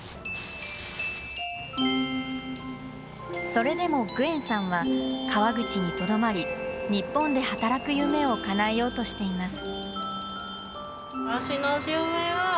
それでもグエンさんは、川口にとどまり、日本で働く夢をかなえようとしています。